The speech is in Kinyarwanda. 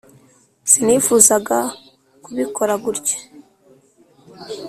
sinifuzaga kubikora gutya.